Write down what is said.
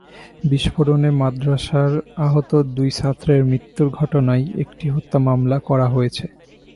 বিস্ফোরণে মাদ্রাসার আহত দুই ছাত্রের মৃত্যুর ঘটনায় একটি হত্যা মামলা করা হয়েছে।